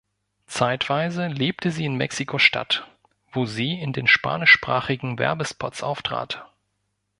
Zeitweise lebte sie in Mexiko-Stadt, wo sie in den spanischsprachigen Werbespots auftrat.